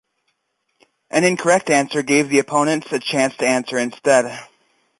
An incorrect answer gave the opponents a chance to answer instead.